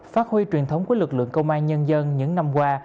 phát huy truyền thống của lực lượng câu mai nhân dân những năm qua